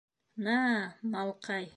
— На-а-а, малҡай!